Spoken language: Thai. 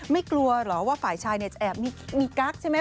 กลัวเหรอว่าฝ่ายชายจะแอบมีกั๊กใช่ไหม